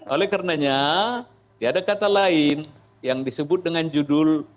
oleh karenanya ada kata lain yang disebut dengan judul